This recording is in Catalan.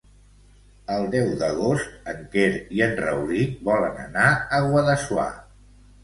El deu d'agost en Quer i en Rauric volen anar a Guadassuar.